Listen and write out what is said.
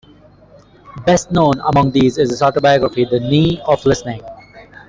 Best known among these is his autobiography, "The Knee of Listening.